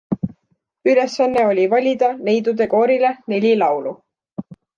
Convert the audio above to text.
Ülesanne oli valida neidudekoorile neli laulu.